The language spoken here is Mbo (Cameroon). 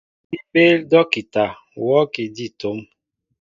Si béél docta worki di tóm.